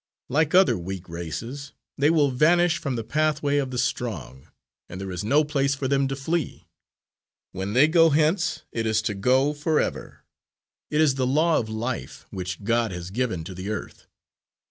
Like other weak races, they will vanish from the pathway of the strong, and there is no place for them to flee. When they go hence, it is to go forever. It is the law of life, which God has given to the earth.